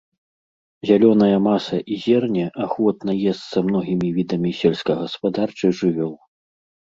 Зялёная маса і зерне ахвотна есца многімі відамі сельскагаспадарчых жывёл.